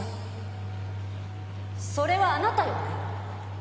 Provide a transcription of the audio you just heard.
それはあなたよね？